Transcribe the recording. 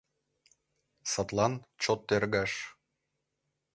Садлан чот тергаш.